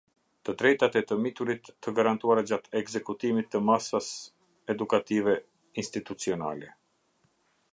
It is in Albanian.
Të drejtat e të miturit të garantuara gjatë ekzekutimit të masas edukative institucionale.